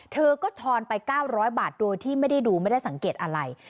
เธอก็ทอนไป๙๐๐บาทโดยที่ไม่ได้ดูไม่ได้สังเกตอะไร